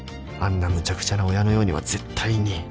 ［あんなむちゃくちゃな親のようには絶対に］